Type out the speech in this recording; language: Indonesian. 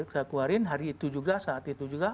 keluarin hari itu juga saat itu juga